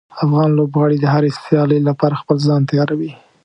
افغان لوبغاړي د هرې سیالۍ لپاره خپل ځان تیاروي.